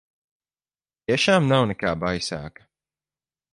Tiešām nav nekā baisāka?